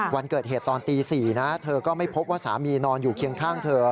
วันเกิดเหตุตอนตี๔นะเธอก็ไม่พบว่าสามีนอนอยู่เคียงข้างเธอ